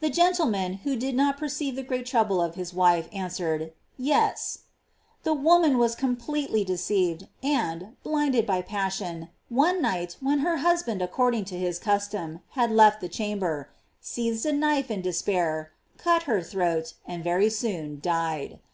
The gentleman, who did not perceive the great trouble of his wife, answered "Yes." The wife was completely deceived, and, blinded by passion, one night when her husband accord ing to his custom, had left the chamber, seized a.knife in despair, cut her throat, and very soon died.